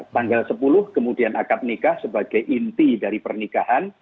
tanggal sepuluh kemudian akad nikah sebagai inti dari pernikahan